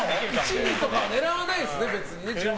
１位とか狙わないんですね。